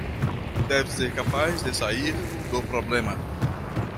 Deve ser capaz de sair do problema